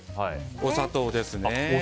お砂糖ですね。